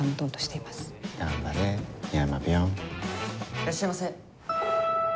いらっしゃいませ。